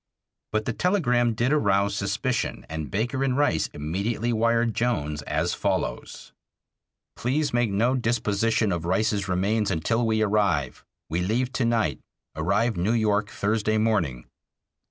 But the telegram did arouse suspicion, and Baker and Rice immedately wired Jones as follows: Please make no disposition of Rice's remains until we arrive. We leave to night, arrive New York Thursday morning.